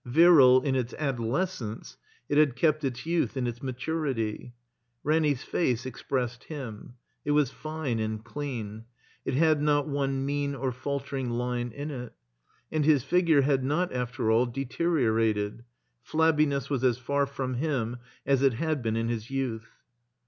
Virile in its adolescence, it had kept its youth in its maturity. Ranny 's face expressed him. It was fine and dean ; it had not one mean or faltering line in it. And his figure had not, after all, deteriorated. Plabbiness was as far from him as it had been in his youth.